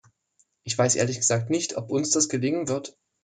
Ich weiß ehrlich gesagt nicht, ob uns das gelingen wird.